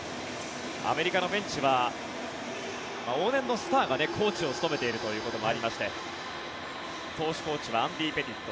アメリカのベンチは往年のスターがコーチを務めているということもありまして投手コーチはアンディ・ペティット。